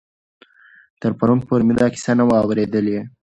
تر پرون پورې مې دا کیسه نه وه اورېدلې.